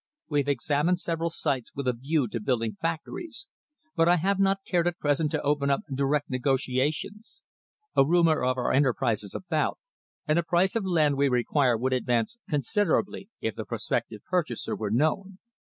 We have examined several sites with a view to building factories, but I have not cared at present to open up direct negotiations. A rumour of our enterprise is about, and the price of the land we require would advance considerably if the prospective purchaser were known.